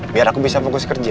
biar aku bisa fokus kerja